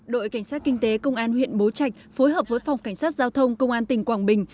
đội cảnh sát kinh tế công an huyện bố trạch phối hợp với phòng cảnh sát giao thông công an tỉnh quảng bình